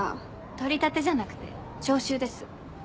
取り立てじゃなくて徴収です。